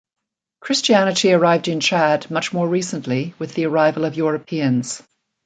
Christianity arrived in Chad much more recently with the arrival of Europeans.